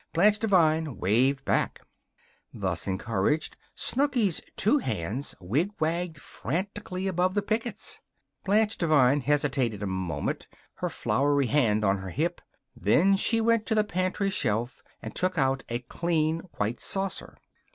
Blanche Devine waved back. Thus encouraged, Snooky's two hands wigwagged frantically above the pickets. Blanche Devine hesitated a moment, her floury hand on her hip. Then she went to the pantry shelf and took out a clean white saucer.